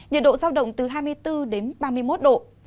nhiệt độ giao động từ hai mươi bốn đến ba mươi một độ